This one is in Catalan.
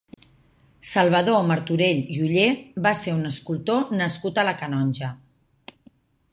Salvador Martorell i Oller va ser un escultor nascut a la Canonja.